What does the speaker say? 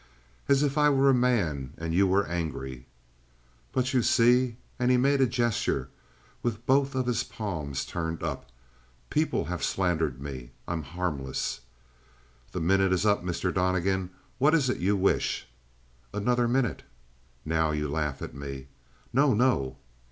"As if I were a man and you were angry." "But you see?" And he made a gesture with both of his palms turned up. "People have slandered me. I am harmless." "The minute is up, Mr. Donnegan. What is it you wish?" "Another minute." "Now you laugh at me." "No, no!"